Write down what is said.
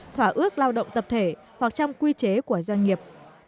thỏa ước lao động tập thể hoặc trong quy chế của doanh nghiệp